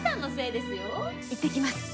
いってきます。